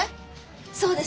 そうです。